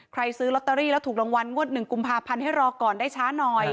ซื้อลอตเตอรี่แล้วถูกรางวัลงวด๑กุมภาพันธ์ให้รอก่อนได้ช้าหน่อย